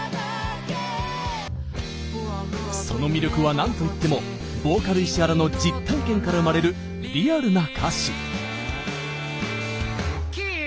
その魅力は、なんといってもボーカル・石原の実体験から生まれるリアルな歌詞。